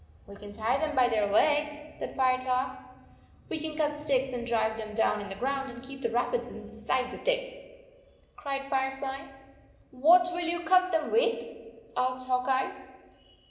"We can tie them by their legs," said Firetop. "We can cut sticks and drive them down in the ground, and keep the rabbits inside the sticks," cried Firefly. "What will you cut them with?" asked Hawk Eye.